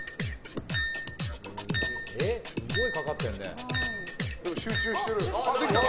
すごいかかってるね。